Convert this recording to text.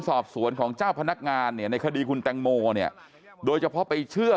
สอบสวนของเจ้าพนักงานเนี่ยในคดีคุณแตงโมเนี่ยโดยเฉพาะไปเชื่อ